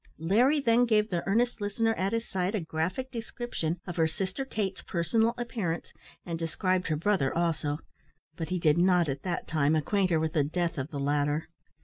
Larry then gave the earnest listener at his side a graphic description of her sister Kate's personal appearance, and described her brother also, but he did not, at that time, acquaint her with the death of the latter.